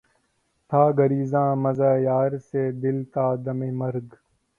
تھا گریزاں مژہٴ یار سے دل تا دمِ مرگ